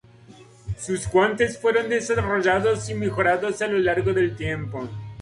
Sus guantes fueron desarrollados y mejorados a lo largo del tiempo.